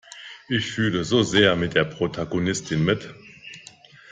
Ich fühle so sehr mit der Protagonistin mit.